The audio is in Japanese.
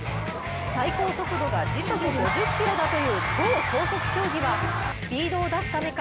最高速度が時速５０キロだという超高速競技はスピードを出すためか